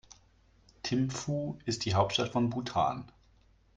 Thimphu ist die Hauptstadt von Bhutan.